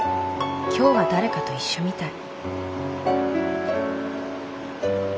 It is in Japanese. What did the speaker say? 今日は誰かと一緒みたい。